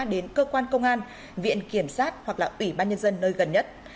đến cơ quan công an viện kiểm sát hoặc là ủy ban nhân dân nơi gần nhất